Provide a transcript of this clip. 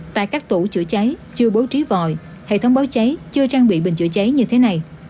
tại các tổ chữa cháy chưa bố trí vòi hệ thống báo cháy chưa trang bị bình chữa cháy như thế này